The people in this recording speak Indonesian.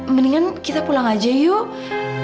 mendingan kita pulang aja yuk